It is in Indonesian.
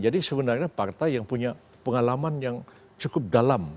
jadi sebenarnya partai yang punya pengalaman yang cukup dalam